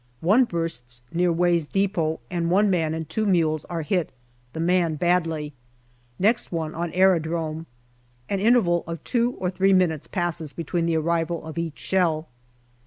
One bursts near Way's depot, and one man and two mules are hit, the man badly. Next one on aerodrome. An interval of two or three minutes passes between the arrival of each shell.